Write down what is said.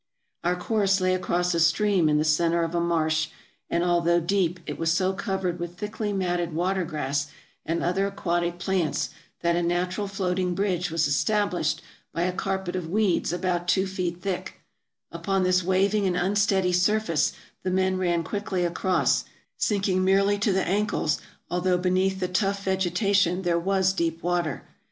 Our course lay across a stream in the center of a marsh, and although deep, it was so covered with thickly matted water grass and other aquatic plants, that a natural floating bridge was established by a carpet of weeds about two feet thick ; upon this waving and unsteady surface the men ran quickly across, sinking merely to the ankles, although beneath the tough vegetation there was deep water.